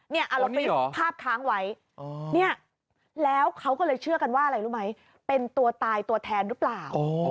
เราคลิปภาพค้างไว้เนี่ยแล้วเขาก็เลยเชื่อกันว่าอะไรรู้ไหมเป็นตัวตายตัวแทนหรือเปล่า